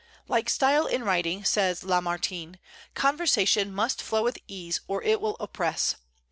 "Like style in writing," says Lamartine, "conversation must flow with ease, or it will oppress.